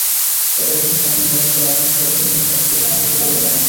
এটা তাদের স্বাধীন রাষ্ট্রের আকাঙ্ক্ষা পূরণের পক্ষে কোনো সুফল দেবে না।